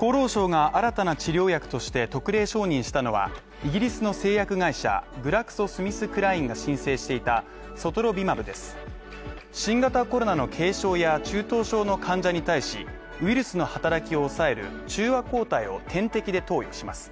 厚労省が新たな治療薬として特例承認したのは、イギリスの製薬会社グラクソ・スミスクラインが申請していたソトロビマブです新型コロナの軽症や中等症の患者に対し、ウイルスの働きを抑える中和抗体を点滴で投与します。